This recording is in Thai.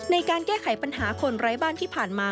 ในการแก้ไขปัญหาคนไร้บ้านที่ผ่านมา